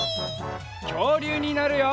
きょうりゅうになるよ！